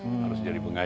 harus jadi pengajar